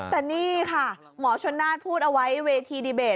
แต่นี่ค่ะหมอชนนาฏพูดเอาไว้เวทีดีเบต